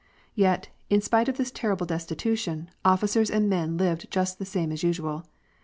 Yet, in spite of this terrible destitution, officers and men lived just the same as usual.